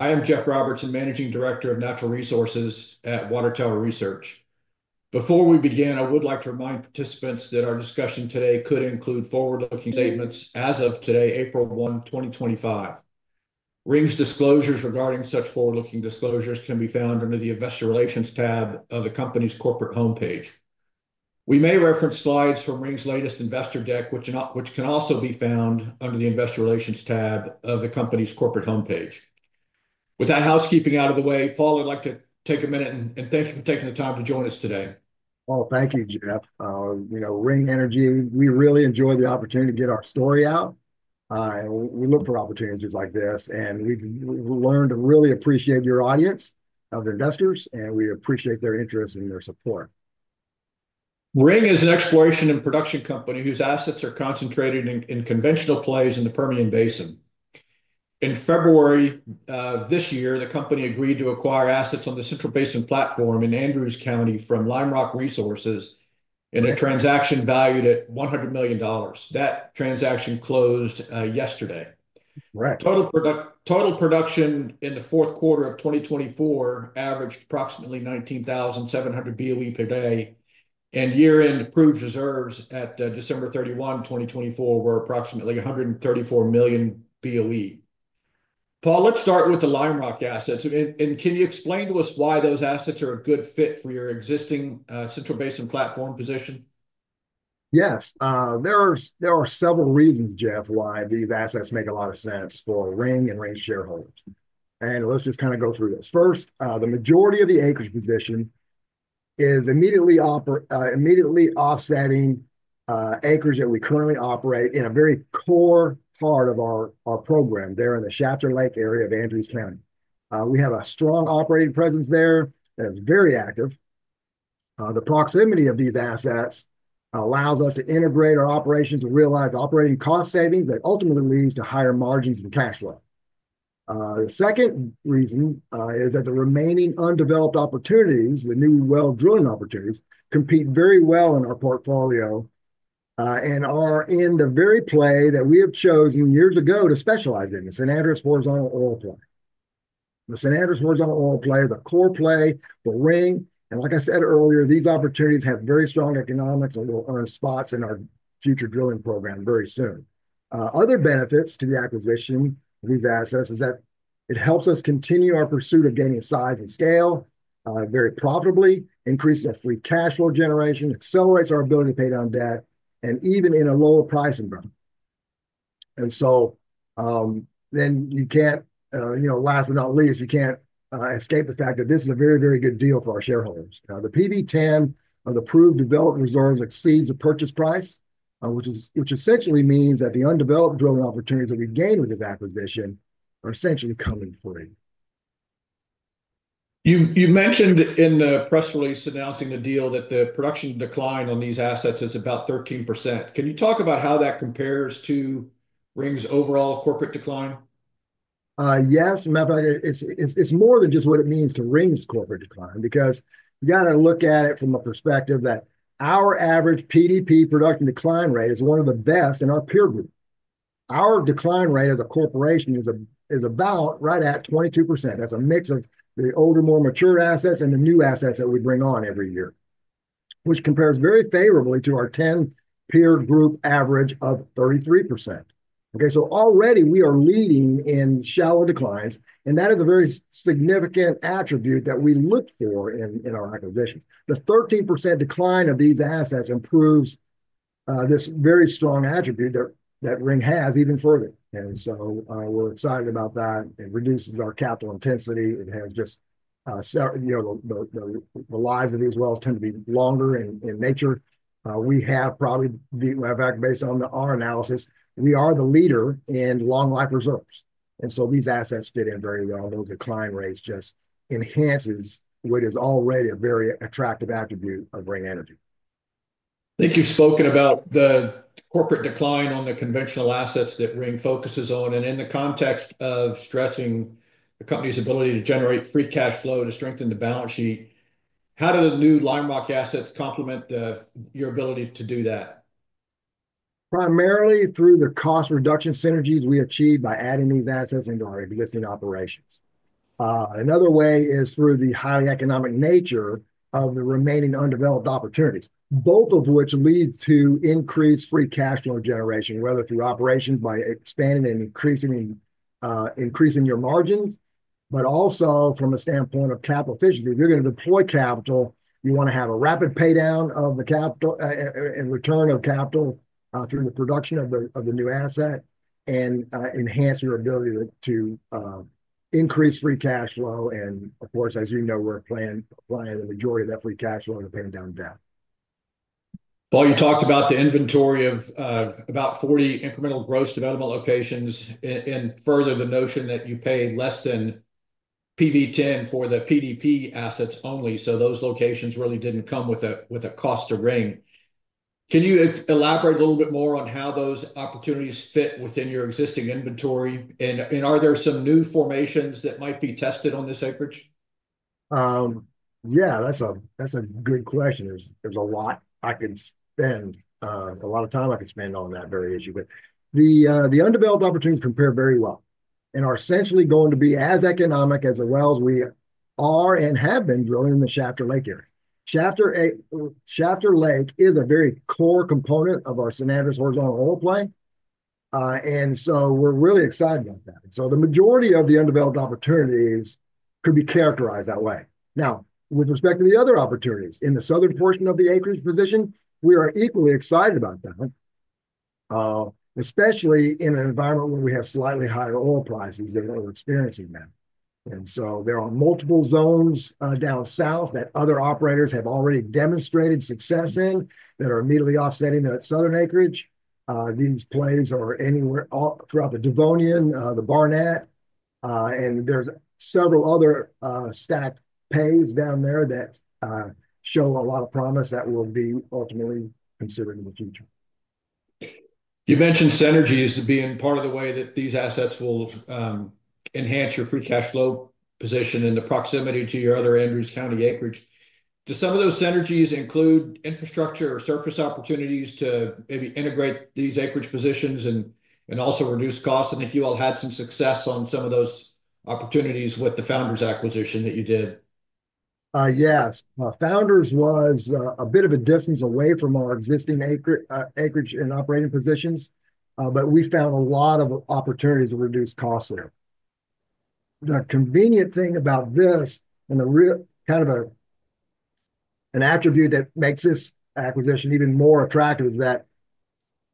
I am Jeff Roberts, Managing Director of Natural Resources at Watertower Research. Before we begin, I would like to remind participants that our discussion today could include forward-looking statements as of today, April 1, 2025. Ring's disclosures regarding such forward-looking disclosures can be found under the Investor Relations tab of the company's corporate homepage. We may reference slides from Ring's latest investor deck, which can also be found under the Investor Relations tab of the company's corporate homepage. With that housekeeping out of the way, Paul, I'd like to take a minute and thank you for taking the time to join us today. Thank you, Jeff. You know, Ring Energy, we really enjoy the opportunity to get our story out. We look for opportunities like this, and we've learned to really appreciate your audience of investors, and we appreciate their interest and their support. Ring is an exploration and production company whose assets are concentrated in conventional plays in the Permian Basin. In February this year, the company agreed to acquire assets on the Central Basin Platform in Andrews County from Lime Rock Resources in a transaction valued at $100 million. That transaction closed yesterday. Correct. Total production in the fourth quarter of 2024 averaged approximately 19,700 BOE per day, and year-end approved reserves at December 31, 2024, were approximately 134 million BOE. Paul, let's start with the Lime Rock assets. Can you explain to us why those assets are a good fit for your existing Central Basin Platform position? Yes. There are several reasons, Jeff, why these assets make a lot of sense for Ring and Ring's shareholders. Let's just kind of go through this. First, the majority of the acreage position is immediately offsetting acreage that we currently operate in a very core part of our program there in the Shafter Lake area of Andrews County. We have a strong operating presence there, and it's very active. The proximity of these assets allows us to integrate our operations and realize operating cost savings that ultimately leads to higher margins and cash flow. The second reason is that the remaining undeveloped opportunities, the new well drilling opportunities, compete very well in our portfolio and are in the very play that we have chosen years ago to specialize in, the San Andres Horizontal Oil Play. The San Andres Horizontal Oil Play, the core play, Ring. Like I said earlier, these opportunities have very strong economics and will earn spots in our future drilling program very soon. Other benefits to the acquisition of these assets is that it helps us continue our pursuit of gaining size and scale very profitably, increases our free cash flow generation, accelerates our ability to pay down debt, and even in a lower price environment. You can't, you know, last but not least, you can't escape the fact that this is a very, very good deal for our shareholders. The PV-10 of the approved development reserves exceeds the purchase price, which essentially means that the undeveloped drilling opportunities that we gained with this acquisition are essentially coming free. You mentioned in the press release announcing the deal that the production decline on these assets is about 13%. Can you talk about how that compares to Ring's overall corporate decline? Yes. Matter of fact, it's more than just what it means to Ring's corporate decline because you got to look at it from the perspective that our average PDP production decline rate is one of the best in our peer group. Our decline rate as a corporation is about right at 22%. That's a mix of the older, more mature assets and the new assets that we bring on every year, which compares very favorably to our 10-peer group average of 33%. Okay. Already we are leading in shallow declines, and that is a very significant attribute that we look for in our acquisition. The 13% decline of these assets improves this very strong attribute that Ring has even further. We are excited about that. It reduces our capital intensity. It has just, you know, the lives of these wells tend to be longer in nature. We have probably, in fact, based on our analysis, we are the leader in long-life reserves. These assets fit in very well. Those decline rates just enhance what is already a very attractive attribute of Ring Energy. Think you've spoken about the corporate decline on the conventional assets that Ring focuses on. In the context of stressing the company's ability to generate free cash flow to strengthen the balance sheet, how do the new Lime Rock assets complement your ability to do that? Primarily through the cost reduction synergies we achieve by adding these assets into our existing operations. Another way is through the highly economic nature of the remaining undeveloped opportunities, both of which lead to increased free cash flow generation, whether through operations by expanding and increasing your margins, but also from a standpoint of capital efficiency. If you're going to deploy capital, you want to have a rapid paydown of the capital and return of capital through the production of the new asset and enhance your ability to increase free cash flow. Of course, as you know, we're applying the majority of that free cash flow to paying down debt. Paul, you talked about the inventory of about 40 incremental gross development locations and further the notion that you paid less than PV-10 for the PDP assets only. Those locations really didn't come with a cost to Ring. Can you elaborate a little bit more on how those opportunities fit within your existing inventory? Are there some new formations that might be tested on this acreage? Yeah, that's a good question. There's a lot I can spend, a lot of time I can spend on that very issue. The undeveloped opportunities compare very well and are essentially going to be as economic as the wells we are and have been drilling in the Shafter Lake area. Shafter Lake is a very core component of our San Andres Horizontal Oil Play. We are really excited about that. The majority of the undeveloped opportunities could be characterized that way. Now, with respect to the other opportunities in the southern portion of the acreage position, we are equally excited about that, especially in an environment where we have slightly higher oil prices than we're experiencing now. There are multiple zones down south that other operators have already demonstrated success in that are immediately offsetting that southern acreage. These plays are anywhere throughout the Devonian, the Barnett, and there's several other stacked pays down there that show a lot of promise that will be ultimately considered in the future. You mentioned synergies being part of the way that these assets will enhance your free cash flow position in the proximity to your other Andrews County acreage. Do some of those synergies include infrastructure or surface opportunities to maybe integrate these acreage positions and also reduce costs? I think you all had some success on some of those opportunities with the Founders acquisition that you did. Yes. Founders was a bit of a distance away from our existing acreage and operating positions, but we found a lot of opportunities to reduce costs there. The convenient thing about this and the real kind of an attribute that makes this acquisition even more attractive is that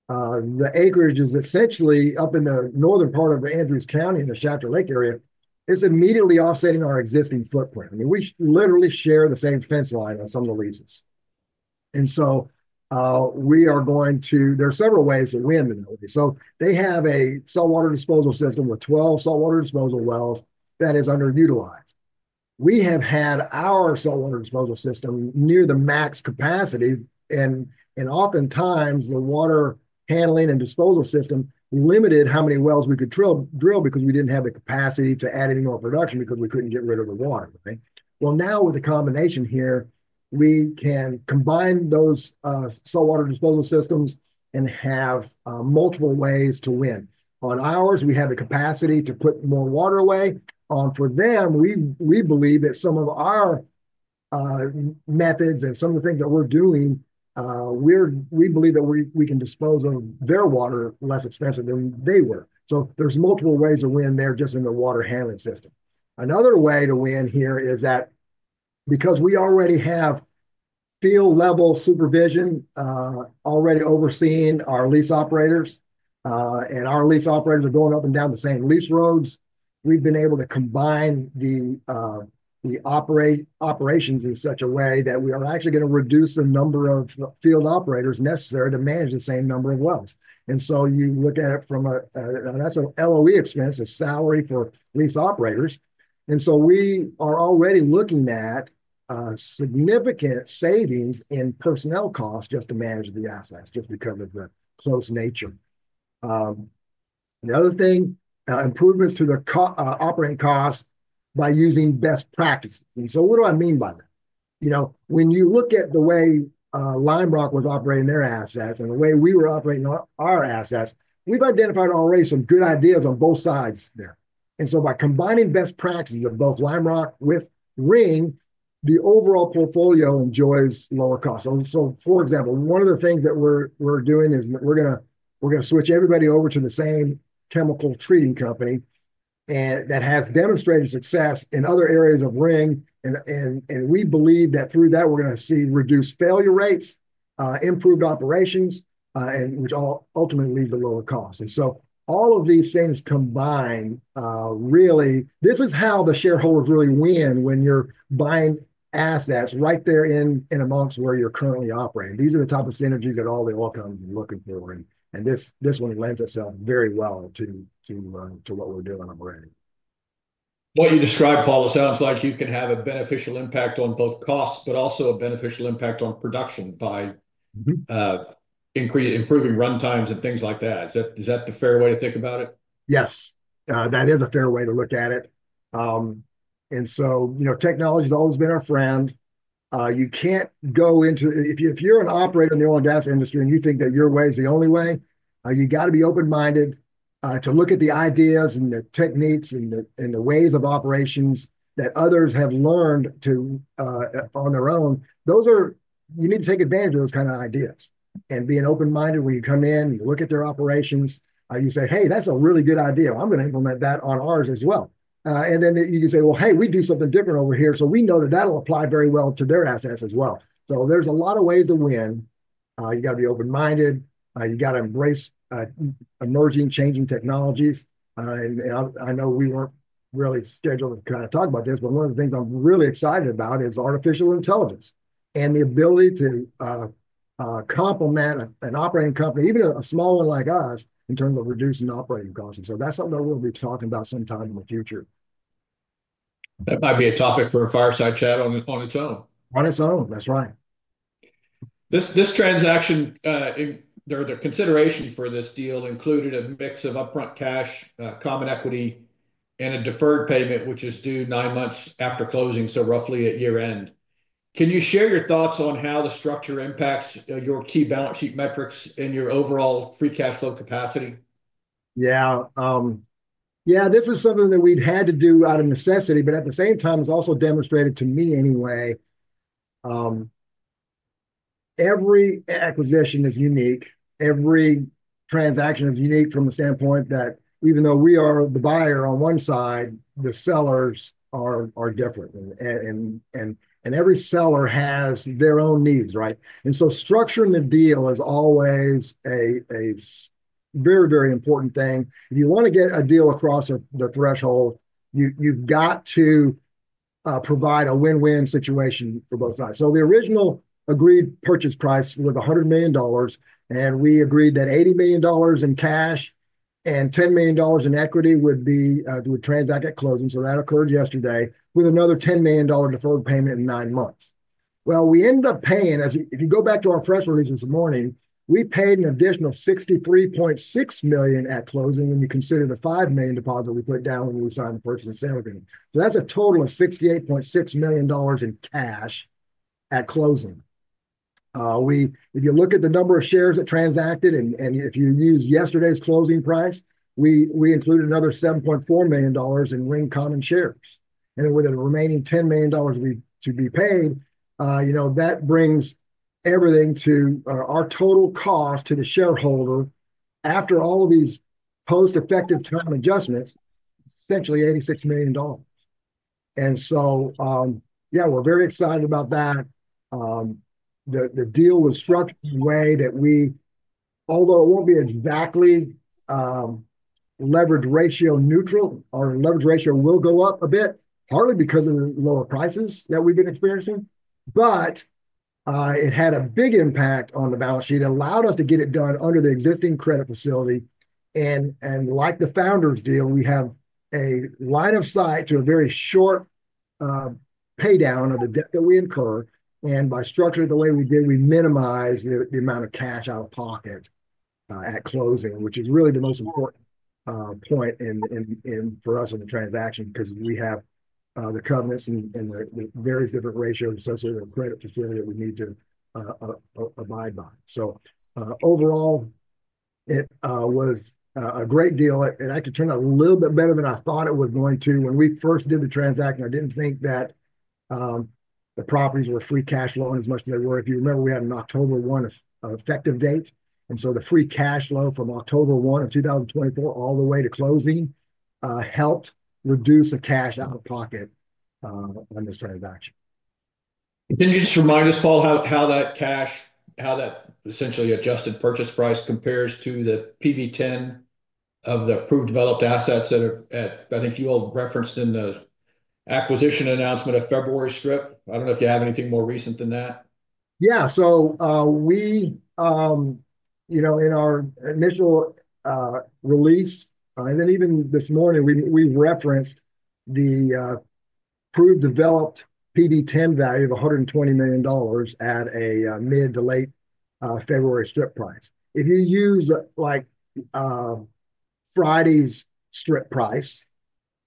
the acreage is essentially up in the northern part of Andrews County in the Shafter Lake area. It's immediately offsetting our existing footprint. I mean, we literally share the same fence line on some of the leases. We are going to, there are several ways to win the deal. They have a saltwater disposal system with 12 saltwater disposal wells that is underutilized. We have had our saltwater disposal system near the max capacity, and oftentimes the water handling and disposal system limited how many wells we could drill because we did not have the capacity to add any more production because we could not get rid of the water. Now with the combination here, we can combine those saltwater disposal systems and have multiple ways to win. On ours, we have the capacity to put more water away. For them, we believe that some of our methods and some of the things that we are doing, we believe that we can dispose of their water less expensive than they were. There are multiple ways to win there just in the water handling system. Another way to win here is that because we already have field-level supervision already overseeing our lease operators, and our lease operators are going up and down the same lease roads, we've been able to combine the operations in such a way that we are actually going to reduce the number of field operators necessary to manage the same number of wells. You look at it from a, that's an LOE expense, a salary for lease operators. We are already looking at significant savings in personnel costs just to manage the assets, just because of the close nature. The other thing, improvements to the operating costs by using best practices. What do I mean by that? You know, when you look at the way Lime Rock was operating their assets and the way we were operating our assets, we've identified already some good ideas on both sides there. By combining best practices of both Lime Rock with Ring, the overall portfolio enjoys lower costs. For example, one of the things that we're doing is we're going to switch everybody over to the same chemical treating company that has demonstrated success in other areas of Ring. We believe that through that, we're going to see reduced failure rates, improved operations, which ultimately leads to lower costs. All of these things combined, really, this is how the shareholders really win when you're buying assets right there in amongst where you're currently operating. These are the type of synergies that all the comes looking for. This one lends itself very well to what we're doing already. What you described, Paul, it sounds like you can have a beneficial impact on both costs, but also a beneficial impact on production by improving runtimes and things like that. Is that the fair way to think about it? Yes. That is a fair way to look at it. You know, technology has always been our friend. You cannot go into, if you are an operator in the oil and gas industry and you think that your way is the only way, you have to be open-minded to look at the ideas and the techniques and the ways of operations that others have learned on their own. You need to take advantage of those kinds of ideas and be open-minded when you come in and you look at their operations. You say, "Hey, that is a really good idea. I am going to implement that on ours as well." You can say, "Hey, we do something different over here." We know that will apply very well to their assets as well. There are a lot of ways to win. You have to be open-minded. You got to embrace emerging, changing technologies. I know we were not really scheduled to kind of talk about this, but one of the things I am really excited about is artificial intelligence and the ability to complement an operating company, even a small one like us, in terms of reducing operating costs. That is something we will be talking about sometime in the future. That might be a topic for a fireside chat on its own. On its own. That's right. This transaction, the consideration for this deal included a mix of upfront cash, common equity, and a deferred payment, which is due nine months after closing, so roughly at year-end. Can you share your thoughts on how the structure impacts your key balance sheet metrics and your overall free cash flow capacity? Yeah. Yeah. This was something that we've had to do out of necessity, but at the same time, it's also demonstrated to me anyway. Every acquisition is unique. Every transaction is unique from the standpoint that even though we are the buyer on one side, the sellers are different. Every seller has their own needs, right? Structuring the deal is always a very, very important thing. If you want to get a deal across the threshold, you've got to provide a win-win situation for both sides. The original agreed purchase price was $100 million, and we agreed that $80 million in cash and $10 million in equity would transact at closing. That occurred yesterday with another $10 million deferred payment in nine months. We ended up paying, if you go back to our press release this morning, we paid an additional $63.6 million at closing when you consider the $5 million deposit we put down when we signed the purchase and sale agreement. That is a total of $68.6 million in cash at closing. If you look at the number of shares that transacted, and if you use yesterday's closing price, we included another $7.4 million in Ring Common Shares. With the remaining $10 million to be paid, you know, that brings everything to our total cost to the shareholder after all of these post-effective time adjustments, essentially $86 million. Yeah, we are very excited about that. The deal was struck in a way that we, although it won't be exactly leverage ratio neutral, our leverage ratio will go up a bit, partly because of the lower prices that we've been experiencing, but it had a big impact on the balance sheet. It allowed us to get it done under the existing credit facility. Like the Founders' deal, we have a line of sight to a very short paydown of the debt that we incur. By structuring it the way we did, we minimized the amount of cash out of pocket at closing, which is really the most important point for us in the transaction because we have the covenants and the various different ratios associated with the credit facility that we need to abide by. Overall, it was a great deal. I could turn out a little bit better than I thought it was going to. When we first did the transaction, I didn't think that the properties were free cash flow as much as they were. If you remember, we had an October 1 effective date. The free cash flow from October 1 of 2024 all the way to closing helped reduce the cash out of pocket on this transaction. Can you just remind us, Paul, how that cash, how that essentially adjusted purchase price compares to the PV-10 of the approved developed assets that are, I think you all referenced in the acquisition announcement of February strip? I don't know if you have anything more recent than that. Yeah. So we, you know, in our initial release, and then even this morning, we referenced the approved developed PV-10 value of $120 million at a mid to late February strip price. If you use like Friday's strip price,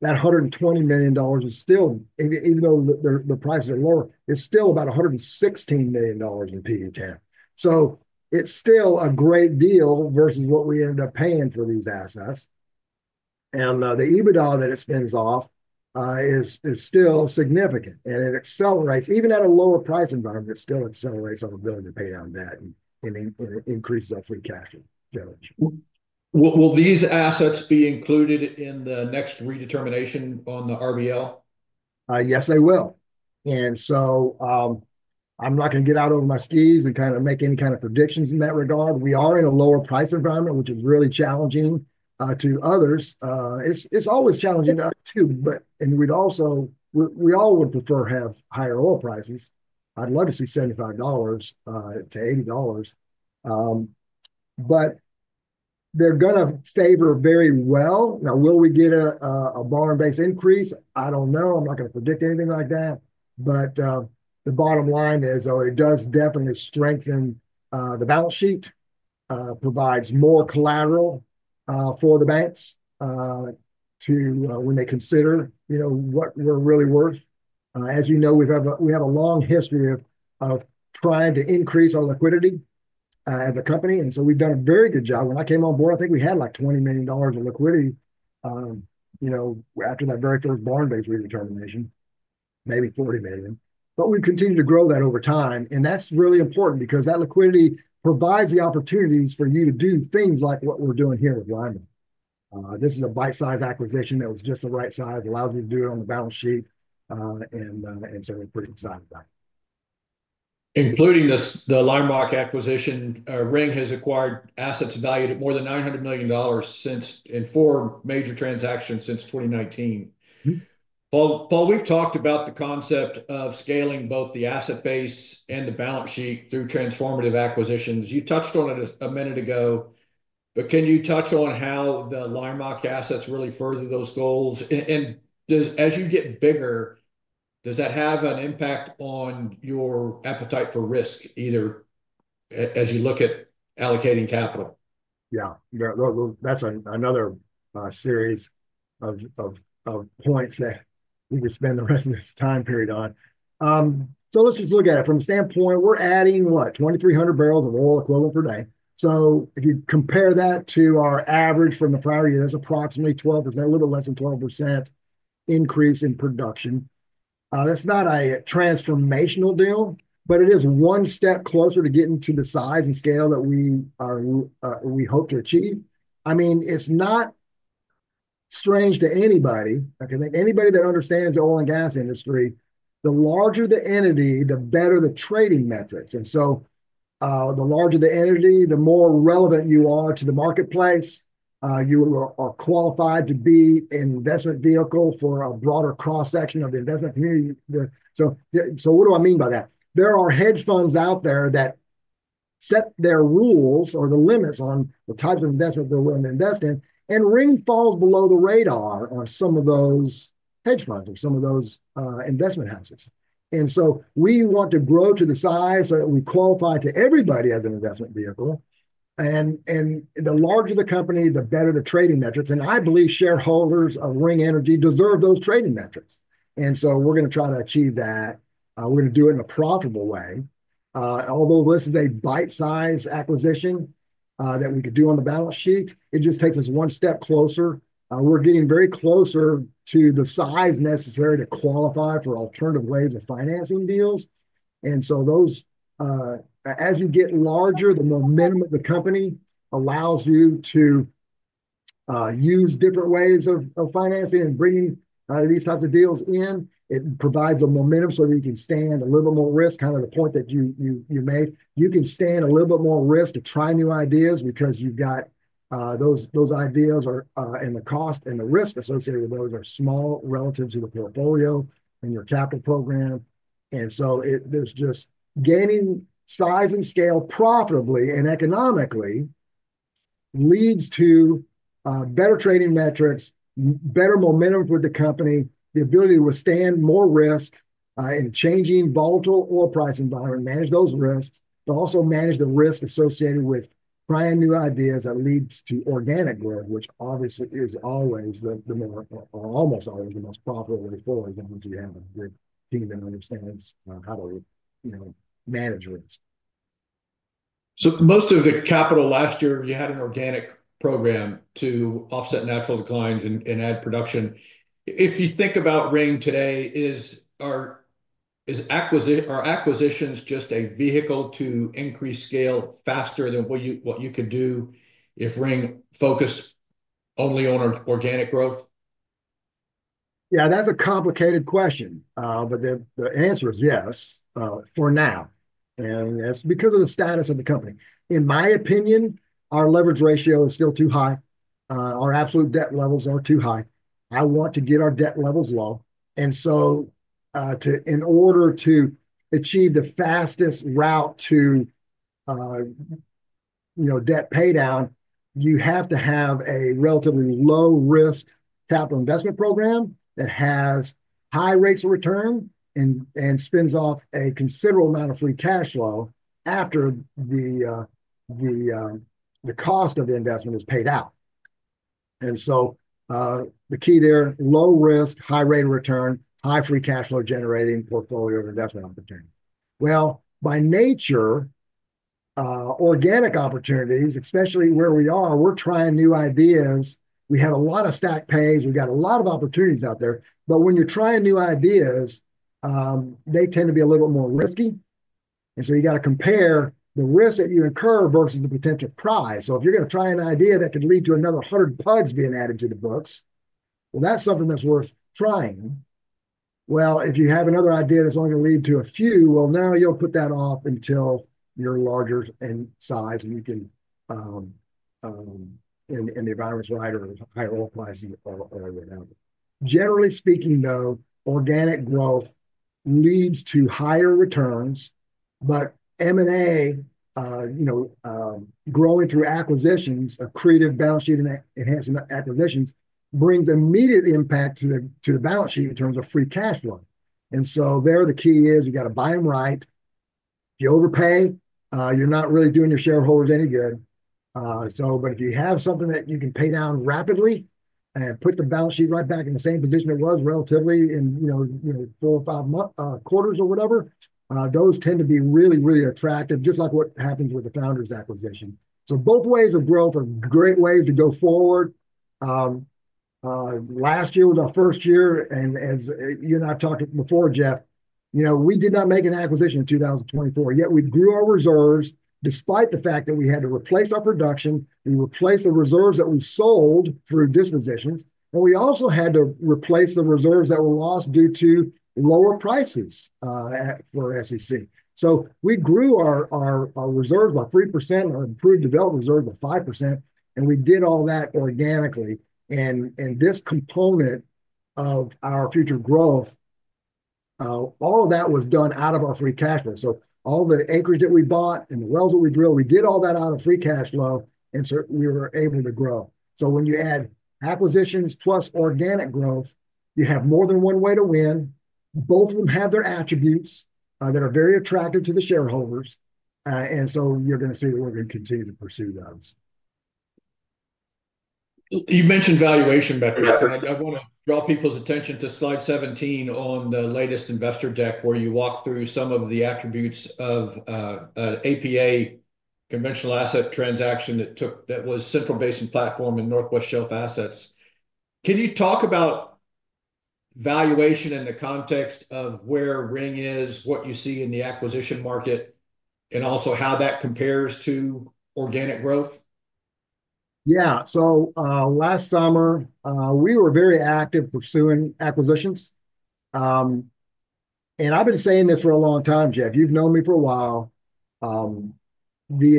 that $120 million is still, even though the prices are lower, it's still about $116 million in PV-10. So it's still a great deal versus what we ended up paying for these assets. And the EBITDA that it spins off is still significant. It accelerates, even at a lower price environment, it still accelerates our ability to pay down debt and increase our free cash flow. Will these assets be included in the next redetermination on the RBL? Yes, they will. I'm not going to get out over my skis and kind of make any kind of predictions in that regard. We are in a lower price environment, which is really challenging to others. It's always challenging to us too, but we all would prefer to have higher oil prices. I'd love to see $75-$80. They're going to favor very well. Now, will we get a borrowing base increase? I don't know. I'm not going to predict anything like that. The bottom line is, though, it does definitely strengthen the balance sheet, provides more collateral for the banks when they consider, you know, what we're really worth. As you know, we have a long history of trying to increase our liquidity as a company. We've done a very good job. When I came on board, I think we had like $20 million in liquidity, you know, after that very first borrowing base redetermination, maybe $40 million. We have continued to grow that over time. That is really important because that liquidity provides the opportunities for you to do things like what we are doing here with Lime. This is a bite-sized acquisition that was just the right size, allows you to do it on the balance sheet. We are pretty excited about it. Including the Lime Rock acquisition, Ring has acquired assets valued at more than $900 million in four major transactions since 2019. Paul, we've talked about the concept of scaling both the asset base and the balance sheet through transformative acquisitions. You touched on it a minute ago, but can you touch on how the Lime Rock assets really further those goals? As you get bigger, does that have an impact on your appetite for risk, either as you look at allocating capital? Yeah. That's another series of points that we could spend the rest of this time period on. Let's just look at it from the standpoint, we're adding what, 2,300 barrels of oil equivalent per day. If you compare that to our average from the prior year, there's approximately 12%, a little bit less than 12% increase in production. That's not a transformational deal, but it is one step closer to getting to the size and scale that we hope to achieve. I mean, it's not strange to anybody. I can think anybody that understands the oil and gas industry, the larger the entity, the better the trading metrics. The larger the entity, the more relevant you are to the marketplace, you are qualified to be an investment vehicle for a broader cross-section of the investment community. What do I mean by that? There are hedge funds out there that set their rules or the limits on the types of investments they're willing to invest in, and Ring falls below the radar on some of those hedge funds or some of those investment houses. We want to grow to the size so that we qualify to everybody as an investment vehicle. The larger the company, the better the trading metrics. I believe shareholders of Ring Energy deserve those trading metrics. We're going to try to achieve that. We're going to do it in a profitable way. Although this is a bite-sized acquisition that we could do on the balance sheet, it just takes us one step closer. We're getting very closer to the size necessary to qualify for alternative ways of financing deals. As you get larger, the momentum of the company allows you to use different ways of financing and bringing these types of deals in. It provides a momentum so that you can stand a little bit more risk, kind of the point that you made. You can stand a little bit more risk to try new ideas because you've got those ideas and the cost and the risk associated with those are small relative to the portfolio and your capital program. There is just gaining size and scale profitably and economically leads to better trading metrics, better momentum for the company, the ability to withstand more risk in changing volatile oil price environment, manage those risks, but also manage the risk associated with trying new ideas that leads to organic growth, which obviously is always the, or almost always the most profitable way forward as long as you have a good team that understands how to manage risk. Most of the capital last year, you had an organic program to offset natural declines and add production. If you think about Ring today, are acquisitions just a vehicle to increase scale faster than what you could do if Ring focused only on organic growth? Yeah, that's a complicated question, but the answer is yes for now. That's because of the status of the company. In my opinion, our leverage ratio is still too high. Our absolute debt levels are too high. I want to get our debt levels low. In order to achieve the fastest route to, you know, debt paydown, you have to have a relatively low-risk capital investment program that has high rates of return and spins off a considerable amount of free cash flow after the cost of the investment is paid out. The key there, low risk, high rate of return, high free cash flow generating portfolio of investment opportunity. By nature, organic opportunities, especially where we are, we're trying new ideas. We have a lot of stacked pays. We've got a lot of opportunities out there. When you're trying new ideas, they tend to be a little bit more risky. You got to compare the risk that you incur versus the potential prize. If you're going to try an idea that could lead to another 100 plugs being added to the books, that's something that's worth trying. If you have another idea that's only going to lead to a few, you'll put that off until you're larger in size and the environment's right or higher oil prices or whatever. Generally speaking, though, organic growth leads to higher returns, but M&A, you know, growing through acquisitions, accretive balance sheet enhancement acquisitions brings immediate impact to the balance sheet in terms of free cash flow. The key is you got to buy them right. If you overpay, you're not really doing your shareholders any good. If you have something that you can pay down rapidly and put the balance sheet right back in the same position it was relatively in, you know, four or five quarters or whatever, those tend to be really, really attractive, just like what happens with the Founders acquisition. Both ways of growth are great ways to go forward. Last year was our first year. And as you and I have talked before, Jeff, you know, we did not make an acquisition in 2024. Yet we grew our reserves despite the fact that we had to replace our production. We replaced the reserves that we sold through dispositions. We also had to replace the reserves that were lost due to lower prices for SEC. We grew our reserves by 3% and our improved developed reserves by 5%. We did all that organically. This component of our future growth, all of that was done out of our free cash flow. All the acreage that we bought and the wells that we drilled, we did all that out of free cash flow. We were able to grow. When you add acquisitions plus organic growth, you have more than one way to win. Both of them have their attributes that are very attractive to the shareholders. You are going to see that we are going to continue to pursue those. You mentioned valuation metrics. I want to draw people's attention to slide 17 on the latest investor deck where you walk through some of the attributes of an Apache conventional asset transaction that took that was Central Basin Platform and Northwest Shelf assets. Can you talk about valuation in the context of where Ring is, what you see in the acquisition market, and also how that compares to organic growth? Yeah. Last summer, we were very active pursuing acquisitions. I've been saying this for a long time, Jeff. You've known me for a while. The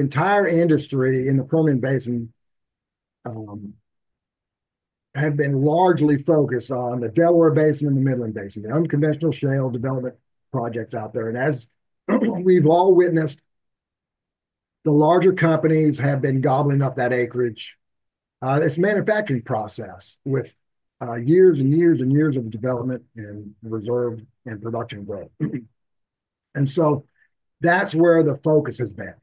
entire industry in the Permian Basin has been largely focused on the Delaware Basin and the Midland Basin, the unconventional shale development projects out there. As we've all witnessed, the larger companies have been gobbling up that acreage. It's a manufacturing process with years and years and years of development and reserve and production growth. That's where the focus has been.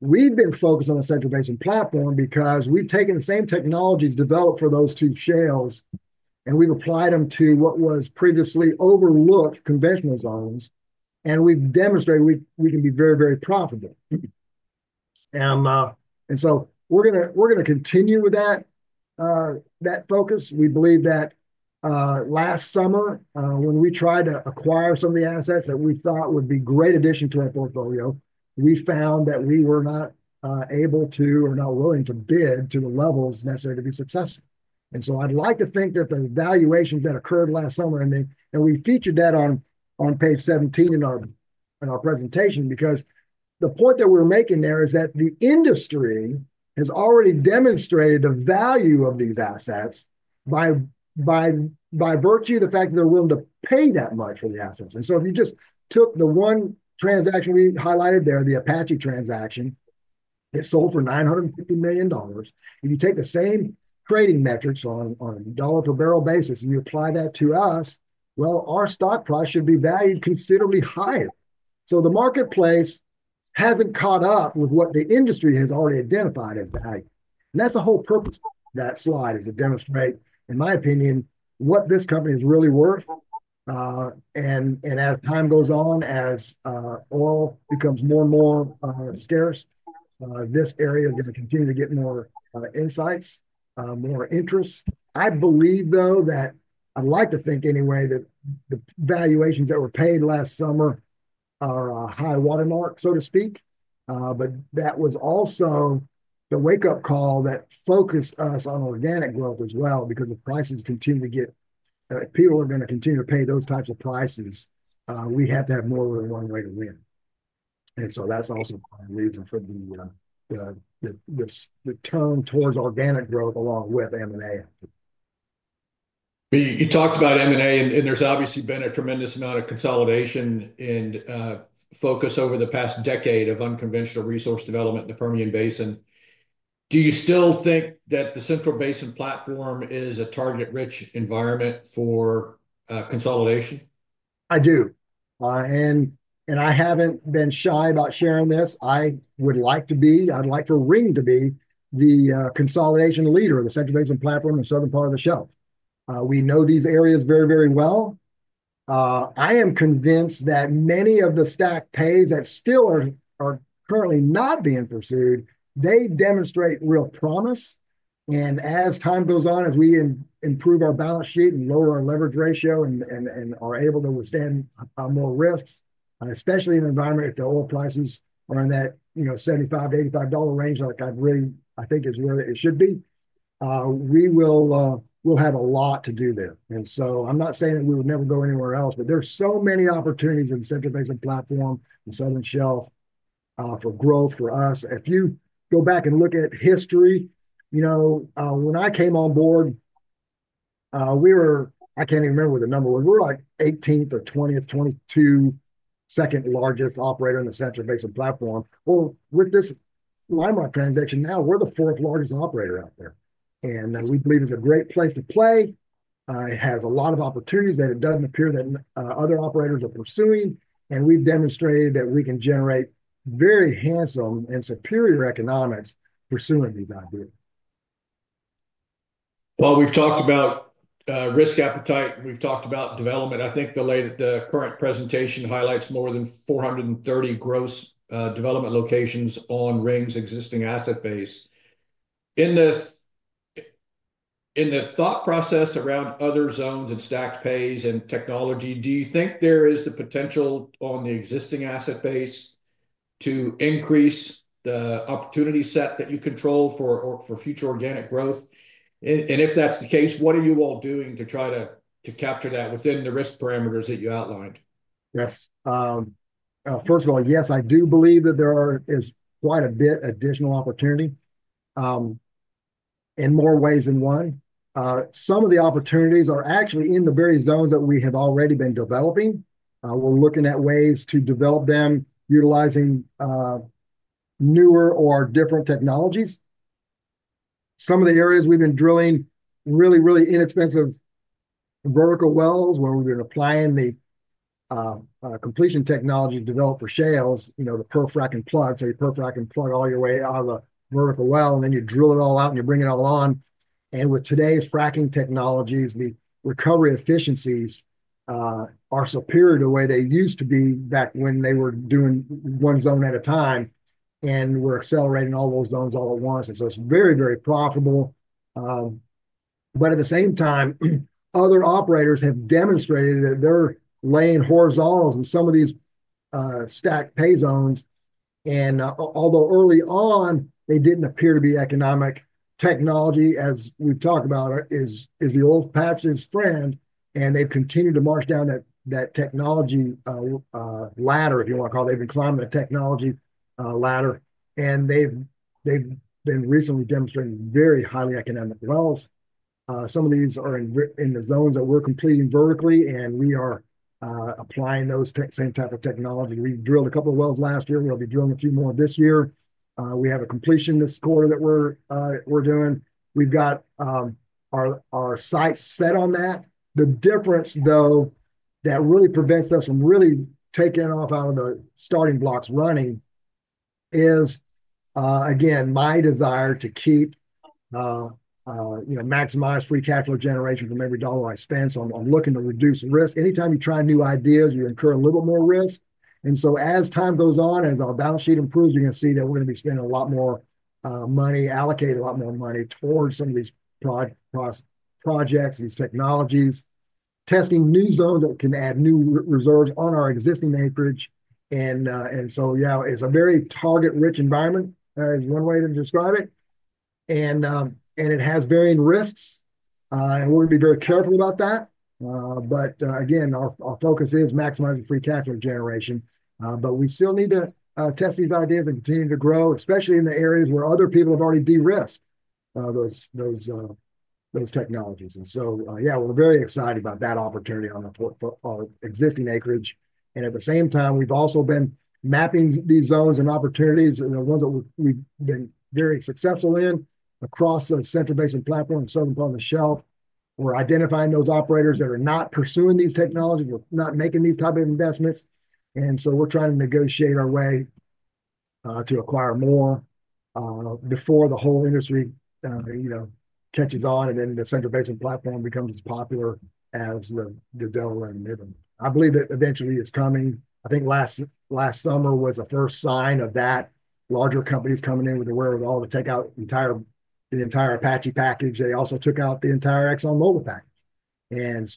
We've been focused on the Central Basin Platform because we've taken the same technologies developed for those two shales, and we've applied them to what was previously overlooked conventional zones. We've demonstrated we can be very, very profitable. We're going to continue with that focus. We believe that last summer, when we tried to acquire some of the assets that we thought would be great additions to our portfolio, we found that we were not able to or not willing to bid to the levels necessary to be successful. I'd like to think that the valuations that occurred last summer, and we featured that on page 17 in our presentation, because the point that we're making there is that the industry has already demonstrated the value of these assets by virtue of the fact that they're willing to pay that much for the assets. If you just took the one transaction we highlighted there, the Apache transaction, it sold for $950 million. If you take the same trading metrics on a dollar per barrel basis and you apply that to us, our stock price should be valued considerably higher. The marketplace hasn't caught up with what the industry has already identified as value. That is the whole purpose of that slide, to demonstrate, in my opinion, what this company is really worth. As time goes on, as oil becomes more and more scarce, this area is going to continue to get more insights, more interest. I believe, though, that I'd like to think anyway that the valuations that were paid last summer are a high watermark, so to speak. That was also the wake-up call that focused us on organic growth as well because the prices continue to get people are going to continue to pay those types of prices. We have to have more than one way to win. That is also the reason for the turn towards organic growth along with M&A. You talked about M&A, and there's obviously been a tremendous amount of consolidation and focus over the past decade of unconventional resource development in the Permian Basin. Do you still think that the Central Basin Platform is a target-rich environment for consolidation? I do. I haven't been shy about sharing this. I would like to be. I'd like for Ring to be the consolidation leader of the Central Basin Platform in the southern part of the shelf. We know these areas very, very well. I am convinced that many of the stacked pays that still are currently not being pursued, they demonstrate real promise. As time goes on, as we improve our balance sheet and lower our leverage ratio and are able to withstand more risks, especially in an environment if the oil prices are in that, you know, $75-$85 range, like I really think it should be, we will have a lot to do there. I'm not saying that we would never go anywhere else, but there are so many opportunities in the Central Basin Platform, the southern shelf for growth for us. If you go back and look at history, you know, when I came on board, we were, I can't even remember what the number was, we were like 18th or 20th, 22nd largest operator in the Central Basin Platform. With this landmark transaction now, we're the fourth largest operator out there. We believe it's a great place to play. It has a lot of opportunities that it doesn't appear that other operators are pursuing. We've demonstrated that we can generate very handsome and superior economics pursuing these ideas. We've talked about risk appetite. We've talked about development. I think the current presentation highlights more than 430 gross development locations on Ring's existing asset base. In the thought process around other zones and stacked pays and technology, do you think there is the potential on the existing asset base to increase the opportunity set that you control for future organic growth? If that's the case, what are you all doing to try to capture that within the risk parameters that you outlined? Yes. First of all, yes, I do believe that there is quite a bit of additional opportunity in more ways than one. Some of the opportunities are actually in the various zones that we have already been developing. We're looking at ways to develop them utilizing newer or different technologies. Some of the areas we've been drilling really, really inexpensive vertical wells where we've been applying the completion technology developed for shales, you know, the plug and perf. You plug and perf all your way out of the vertical well, and then you drill it all out and you bring it all on. With today's fracking technologies, the recovery efficiencies are superior to the way they used to be back when they were doing one zone at a time and were accelerating all those zones all at once. It is very, very profitable. At the same time, other operators have demonstrated that they're laying horizontals in some of these stacked pay zones. Although early on, they didn't appear to be economic, technology, as we've talked about, is the old path to his friend. They've continued to march down that technology ladder, if you want to call it. They've been climbing the technology ladder. They've been recently demonstrating very highly economic wells. Some of these are in the zones that we're completing vertically, and we are applying those same type of technology. We drilled a couple of wells last year. We'll be drilling a few more this year. We have a completion this quarter that we're doing. We've got our sights set on that. The difference, though, that really prevents us from really taking off out of the starting blocks running is, again, my desire to keep, you know, maximize free cash flow generation from every dollar I spend. I am looking to reduce risk. Anytime you try new ideas, you incur a little bit more risk. As time goes on, as our balance sheet improves, you are going to see that we are going to be spending a lot more money, allocating a lot more money towards some of these projects, these technologies, testing new zones that can add new reserves on our existing acreage. It is a very target-rich environment is one way to describe it. It has varying risks. We are going to be very careful about that. Again, our focus is maximizing free cash flow generation. We still need to test these ideas and continue to grow, especially in the areas where other people have already de-risked those technologies. Yeah, we're very excited about that opportunity on our existing acreage. At the same time, we've also been mapping these zones and opportunities, the ones that we've been very successful in across the Central Basin Platform, the southern part of the shelf. We're identifying those operators that are not pursuing these technologies, not making these types of investments. We're trying to negotiate our way to acquire more before the whole industry, you know, catches on and then the Central Basin Platform becomes as popular as the Delaware and Midland. I believe that eventually it's coming. I think last summer was the first sign of that, larger companies coming in with the wherewithal to take out the entire Apache package. They also took out the entire ExxonMobil package. This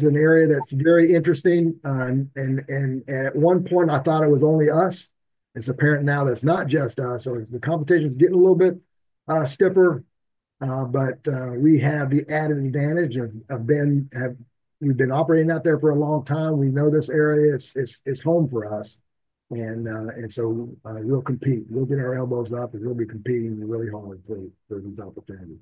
is an area that's very interesting. At one point, I thought it was only us. It's apparent now that it's not just us. The competition is getting a little bit stiffer. We have the added advantage of being we've been operating out there for a long time. We know this area is home for us. We'll compete. We'll get our elbows up and we'll be competing really hard for these opportunities.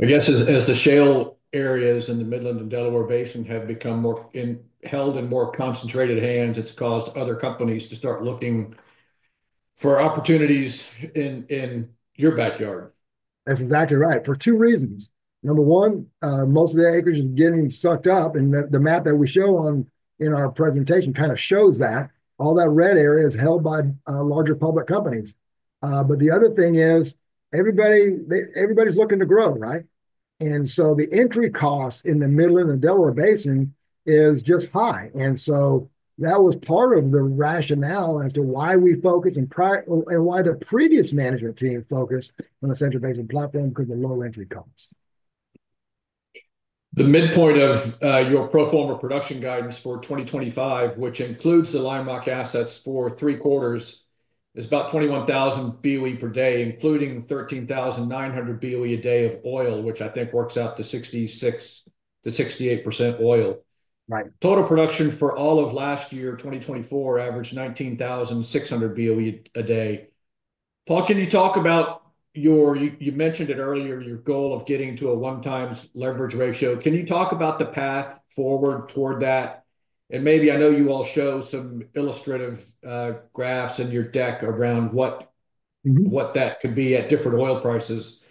I guess as the shale areas in the Midland and Delaware Basin have become more held in more concentrated hands, it's caused other companies to start looking for opportunities in your backyard. That's exactly right. For two reasons. Number one, most of the acreage is getting sucked up. The map that we show in our presentation kind of shows that. All that red area is held by larger public companies. The other thing is everybody's looking to grow, right? The entry cost in the Midland and Delaware Basin is just high. That was part of the rationale as to why we focused and why the previous management team focused on the Central Basin Platform because of the low entry costs. The midpoint of your pro forma production guidance for 2025, which includes the landmark assets for three quarters, is about 21,000 BOE per day, including 13,900 BOE a day of oil, which I think works out to 66-68% oil. Total production for all of last year, 2024, averaged 19,600 BOE a day. Paul, can you talk about your, you mentioned it earlier, your goal of getting to a one-time leverage ratio. Can you talk about the path forward toward that? Maybe I know you all show some illustrative graphs in your deck around what that could be at different oil prices.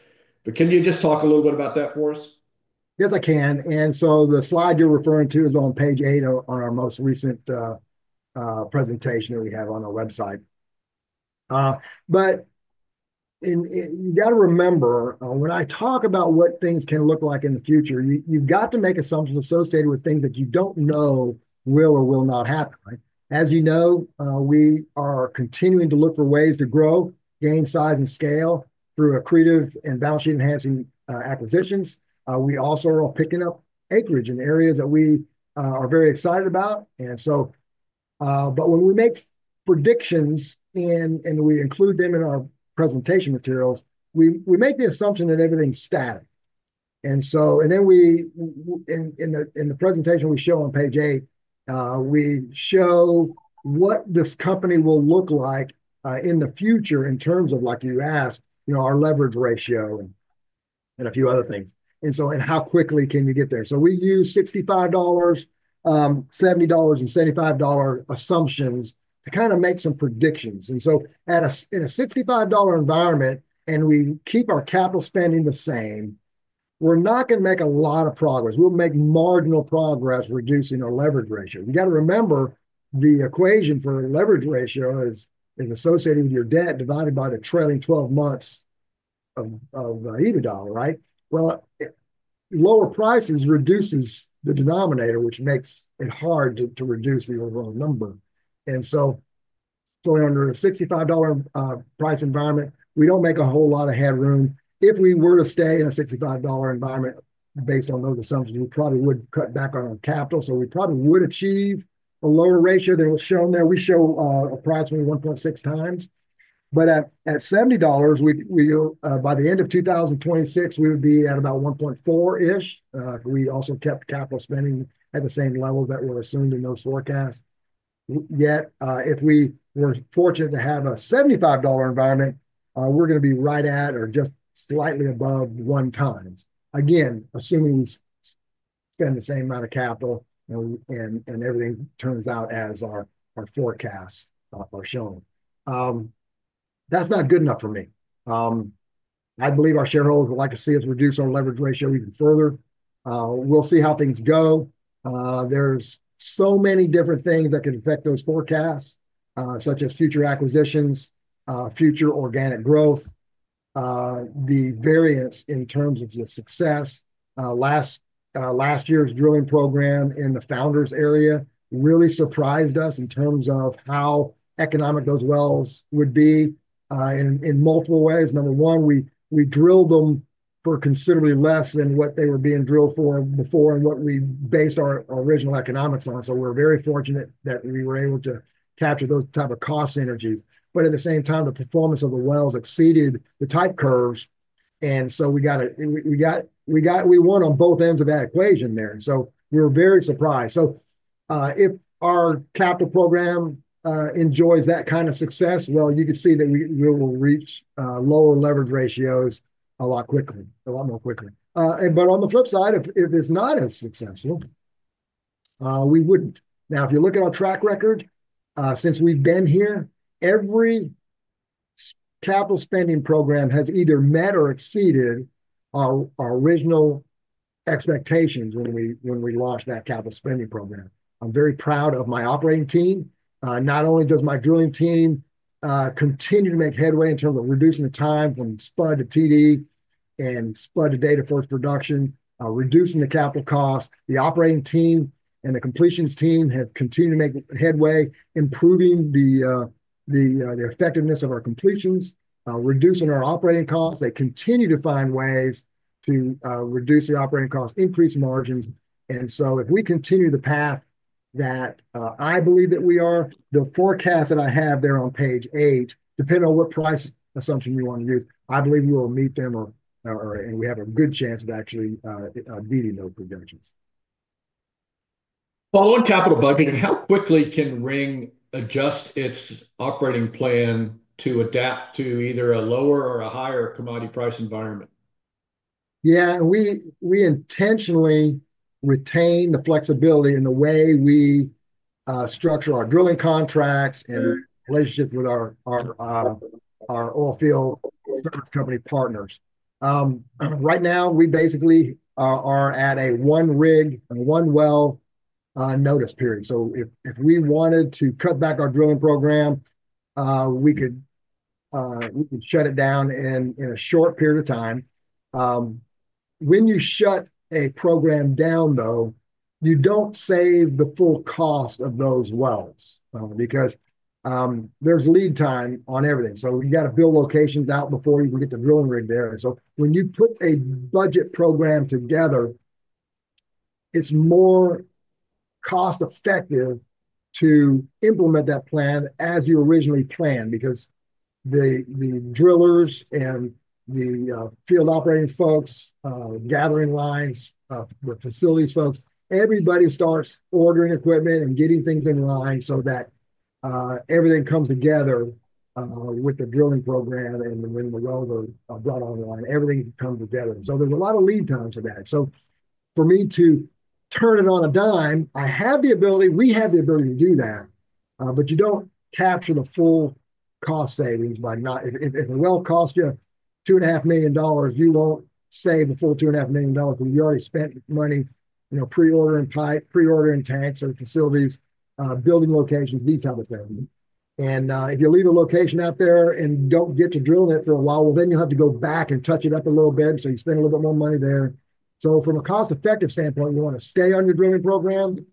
Can you just talk a little bit about that for us? Yes, I can. The slide you're referring to is on page eight of our most recent presentation that we have on our website. You have to remember, when I talk about what things can look like in the future, you have to make assumptions associated with things that you do not know will or will not happen. As you know, we are continuing to look for ways to grow, gain size and scale through accretive and balance sheet enhancing acquisitions. We also are picking up acreage in areas that we are very excited about. When we make predictions and we include them in our presentation materials, we make the assumption that everything is static. In the presentation we show on page eight, we show what this company will look like in the future in terms of, like you asked, you know, our leverage ratio and a few other things. How quickly can you get there? We use $65, $70, and $75 assumptions to kind of make some predictions. In a $65 environment, and we keep our capital spending the same, we're not going to make a lot of progress. We'll make marginal progress reducing our leverage ratio. You got to remember the equation for leverage ratio is associated with your debt divided by the trailing 12 months of EBITDA, right? Lower prices reduces the denominator, which makes it hard to reduce the overall number. Under a $65 price environment, we don't make a whole lot of headroom. If we were to stay in a $65 environment based on those assumptions, we probably would cut back on our capital. We probably would achieve a lower ratio than what's shown there. We show approximately 1.6 times. At $70, by the end of 2026, we would be at about 1.4-ish. We also kept capital spending at the same levels that were assumed in those forecasts. Yet if we were fortunate to have a $75 environment, we're going to be right at or just slightly above one times. Again, assuming we spend the same amount of capital and everything turns out as our forecasts are shown. That's not good enough for me. I believe our shareholders would like to see us reduce our leverage ratio even further. We'll see how things go. are so many different things that can affect those forecasts, such as future acquisitions, future organic growth, the variance in terms of the success. Last year's drilling program in the Founders area really surprised us in terms of how economic those wells would be in multiple ways. Number one, we drilled them for considerably less than what they were being drilled for before and what we based our original economics on. We are very fortunate that we were able to capture those types of cost synergies. At the same time, the performance of the wells exceeded the type curves. We won on both ends of that equation there. We were very surprised. If our capital program enjoys that kind of success, you can see that we will reach lower leverage ratios a lot more quickly. On the flip side, if it's not as successful, we wouldn't. Now, if you look at our track record, since we've been here, every capital spending program has either met or exceeded our original expectations when we launched that capital spending program. I'm very proud of my operating team. Not only does my drilling team continue to make headway in terms of reducing the time from spud to TD and spud to data-first production, reducing the capital cost, the operating team and the completions team have continued to make headway, improving the effectiveness of our completions, reducing our operating costs. They continue to find ways to reduce the operating costs, increase margins. If we continue the path that I believe that we are, the forecast that I have there on page eight, depending on what price assumption you want to use, I believe we will meet them and we have a good chance of actually beating those projections. Following capital budgeting, how quickly can Ring adjust its operating plan to adapt to either a lower or a higher commodity price environment? Yeah. We intentionally retain the flexibility in the way we structure our drilling contracts and relationship with our oil field service company partners. Right now, we basically are at a one rig, one well notice period. If we wanted to cut back our drilling program, we could shut it down in a short period of time. When you shut a program down, though, you do not save the full cost of those wells because there is lead time on everything. You have to build locations out before you can get the drilling rig there. When you put a budget program together, it is more cost-effective to implement that plan as you originally planned because the drillers and the field operating folks, gathering lines with facilities folks, everybody starts ordering equipment and getting things in line so that everything comes together with the drilling program and when the wells are brought online, everything comes together. There is a lot of lead time for that. For me to turn it on a dime, I have the ability, we have the ability to do that. You do not capture the full cost savings by not, if a well costs you $2.5 million, you will not save the full $2.5 million because you already spent money, you know, pre-ordering pipe, pre-ordering tanks or facilities, building locations, these type of things. If you leave a location out there and do not get to drilling it for a while, you will have to go back and touch it up a little bit. You spend a little bit more money there. From a cost-effective standpoint, you want to stay on your drilling program.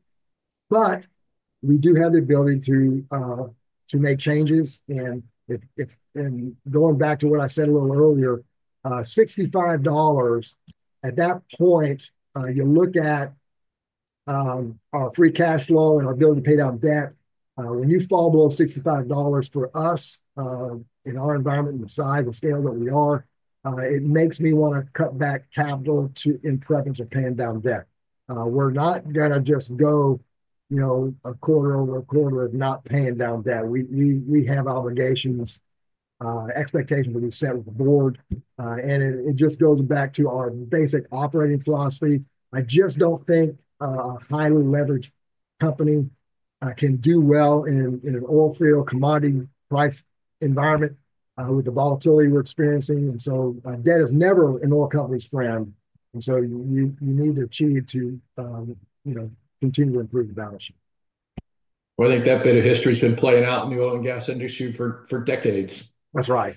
We do have the ability to make changes. Going back to what I said a little earlier, $65, at that point, you look at our free cash flow and our ability to pay down debt. When you fall below $65 for us in our environment and the size and scale that we are, it makes me want to cut back capital in preference of paying down debt. We are not going to just go, you know, a quarter over a quarter of not paying down debt. We have obligations, expectations that we set with the board. It just goes back to our basic operating philosophy. I just don't think a highly leveraged company can do well in an oil field commodity price environment with the volatility we're experiencing. Debt is never an oil company's friend. You need to achieve to, you know, continue to improve the balance sheet. I think that bit of history has been playing out in the oil and gas industry for decades. That's right.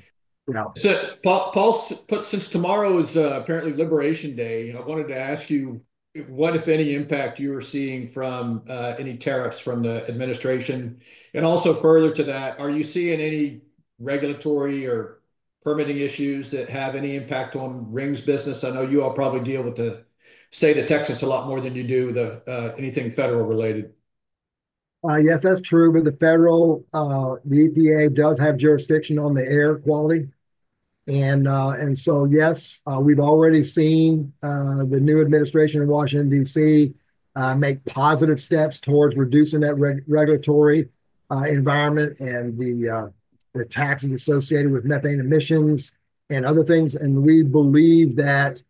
Paul, since tomorrow is apparently Liberation Day, I wanted to ask you what, if any, impact you are seeing from any tariffs from the administration. Also, further to that, are you seeing any regulatory or permitting issues that have any impact on Ring's business? I know you all probably deal with the state of Texas a lot more than you do with anything federal related. Yes, that's true. The federal, the EPA does have jurisdiction on the air quality. Yes, we've already seen the new administration in Washington, DC, make positive steps towards reducing that regulatory environment and the taxes associated with methane emissions and other things. We believe that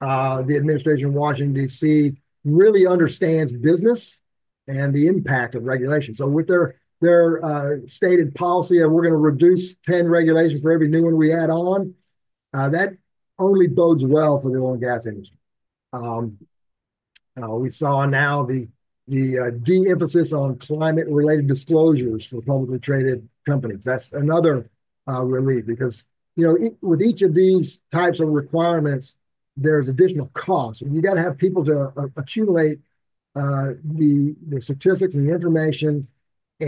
the administration in Washington, DC, really understands business and the impact of regulation. With their stated policy of, "We're going to reduce 10 regulations for every new one we add on," that only bodes well for the oil and gas industry. We saw now the de-emphasis on climate-related disclosures for publicly traded companies. That's another relief because, you know, with each of these types of requirements, there's additional costs. You got to have people to accumulate the statistics and the information,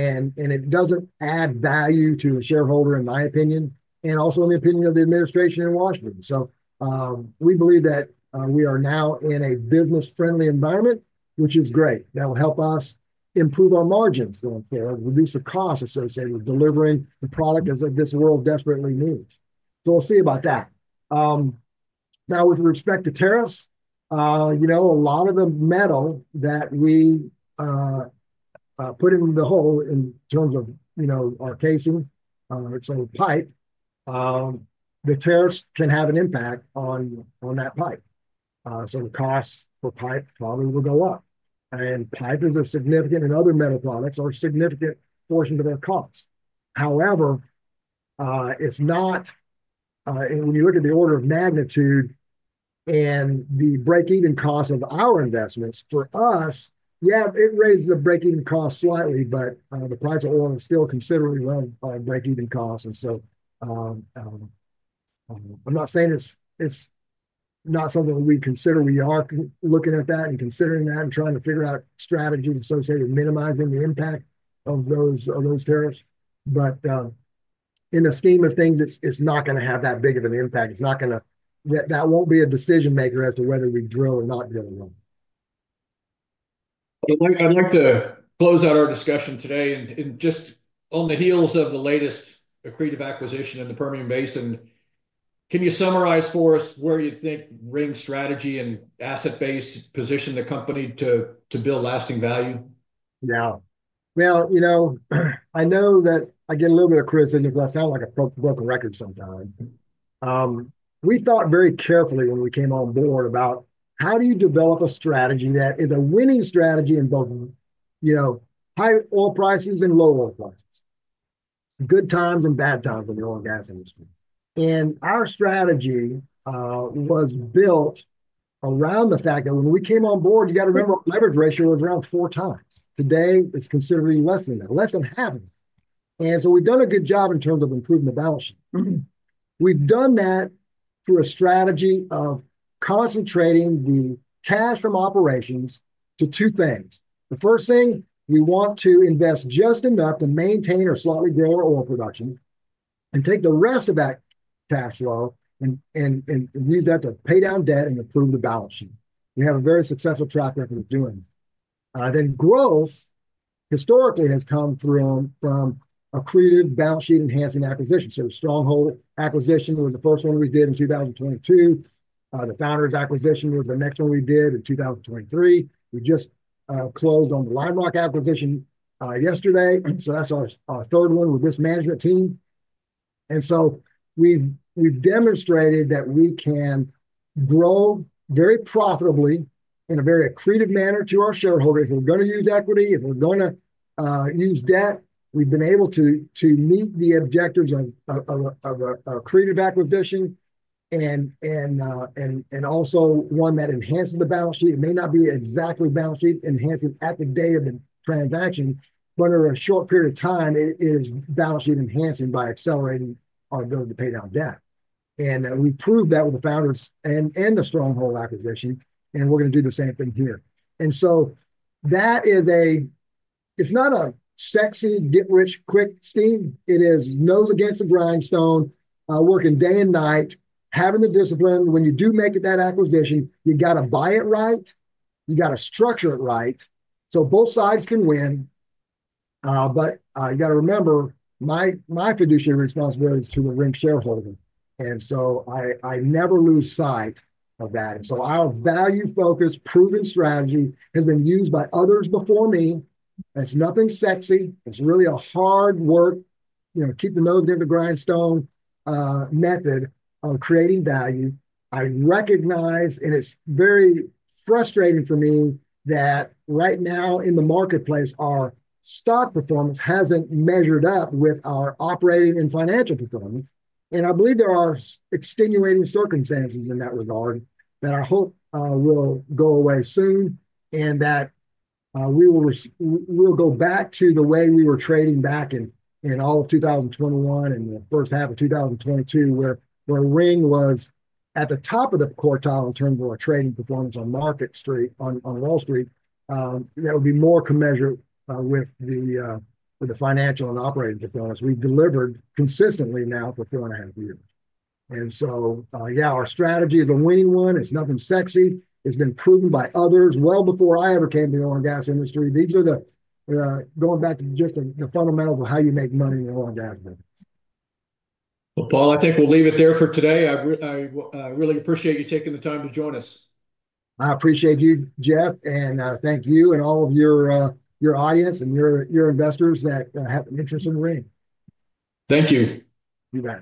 and it doesn't add value to the shareholder, in my opinion, and also in the opinion of the administration in Washington. We believe that we are now in a business-friendly environment, which is great. That will help us improve our margins going forward, reduce the cost associated with delivering the product as this world desperately needs. We'll see about that. Now, with respect to tariffs, you know, a lot of the metal that we put in the hole in terms of, you know, our casing, so pipe, the tariffs can have an impact on that pipe. The costs for pipe probably will go up. Pipe is a significant, and other metal products are a significant portion of their costs. However, it's not, when you look at the order of magnitude and the break-even cost of our investments, for us, yeah, it raises the break-even cost slightly, but the price of oil is still considerably above break-even costs. I'm not saying it's not something that we consider. We are looking at that and considering that and trying to figure out strategies associated with minimizing the impact of those tariffs. In the scheme of things, it's not going to have that big of an impact. It's not going to, that won't be a decision maker as to whether we drill or not drill. I'd like to close out our discussion today. Just on the heels of the latest accretive acquisition in the Permian Basin, can you summarize for us where you think Ring's strategy and asset base position the company to build lasting value? Yeah. You know, I know that I get a little bit of criticism because I sound like a broken record sometimes. We thought very carefully when we came on board about how do you develop a strategy that is a winning strategy in both, you know, high oil prices and low oil prices, good times and bad times in the oil and gas industry. Our strategy was built around the fact that when we came on board, you got to remember our leverage ratio was around four times. Today, it's considerably less than that, less than half. We've done a good job in terms of improving the balance sheet. We've done that through a strategy of concentrating the cash from operations to two things. The first thing, we want to invest just enough to maintain or slightly grow our oil production and take the rest of that cash flow and use that to pay down debt and improve the balance sheet. We have a very successful track record of doing that. Growth historically has come through from accretive balance sheet enhancing acquisitions. Stronghold acquisition was the first one we did in 2022. The Founders acquisition was the next one we did in 2023. We just closed on the Lime Rock acquisition yesterday. That is our third one with this management team. We have demonstrated that we can grow very profitably in a very accretive manner to our shareholders. If we are going to use equity, if we are going to use debt, we have been able to meet the objectives of accretive acquisition and also one that enhances the balance sheet. It may not be exactly balance sheet enhancing at the day of the transaction, but over a short period of time, it is balance sheet enhancing by accelerating our ability to pay down debt. We proved that with the Founders and the Stronghold acquisition, and we're going to do the same thing here. That is a, it's not a sexy get rich quick scheme. It is nose against the grindstone, working day and night, having the discipline. When you do make that acquisition, you got to buy it right. You got to structure it right so both sides can win. You got to remember my fiduciary responsibility is to a Ring shareholder. I never lose sight of that. Our value-focused proven strategy has been used by others before me. It's nothing sexy. It's really a hard work, you know, keep the nose against the grindstone method of creating value. I recognize, and it's very frustrating for me that right now in the marketplace, our stock performance hasn't measured up with our operating and financial performance. I believe there are extenuating circumstances in that regard that I hope will go away soon and that we will go back to the way we were trading back in all of 2021 and the first half of 2022, where Ring was at the top of the quartile in terms of our trading performance on Wall Street. That would be more commensurate with the financial and operating performance we've delivered consistently now for four and a half years. Yeah, our strategy is a winning one. It's nothing sexy. It's been proven by others well before I ever came to the oil and gas industry. These are the, going back to just the fundamentals of how you make money in the oil and gas business. Paul, I think we'll leave it there for today. I really appreciate you taking the time to join us. I appreciate you, Jeff, and thank you and all of your audience and your investors that have an interest in Ring. Thank you. You bet.